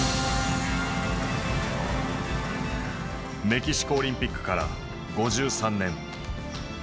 メキシコオリンピックから５３年。